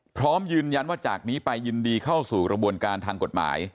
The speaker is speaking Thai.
พร้อมยืนยันว่าจากนี้ไปยินดีเข้าสู่กระบวนการทางกฎหมาย